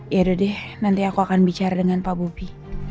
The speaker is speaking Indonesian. yaudah deh nanti aku akan bicara dengan pak bobi